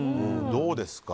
どうですか？